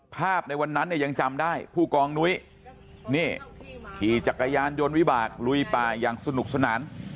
ในวันนั้นเนี่ยยังจำได้ผู้กองนุ้ยนี่ขี่จักรยานยนต์วิบากลุยป่าอย่างสนุกสนาน